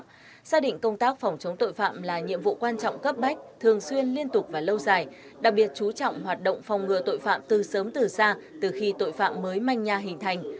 gia đình công tác phòng chống tội phạm là nhiệm vụ quan trọng cấp bách thường xuyên liên tục và lâu dài đặc biệt chú trọng hoạt động phòng ngừa tội phạm từ sớm từ xa từ khi tội phạm mới manh nhà hình thành